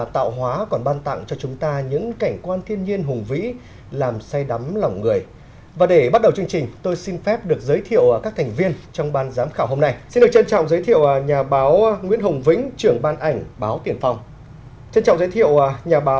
trân trọng giới thiệu nhà báo nghệ sĩ nhiếp ảnh vũ anh tuấn phó trưởng phòng phòng ảnh báo nhân dân